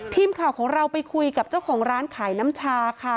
ทีมข่าวของเราไปคุยกับเจ้าของร้านขายน้ำชาค่ะ